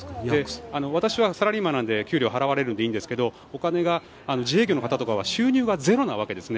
私はサラリーマンなので給料が払われるのでいいんですけどお金が自営業の方なんかは収入がゼロなんです。